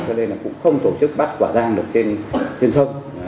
cho nên cũng không tổ chức bắt quả ta được trên sông